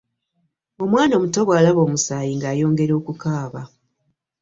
Omwana omuto bwalaba omusaayi nga ayongera okukaaba.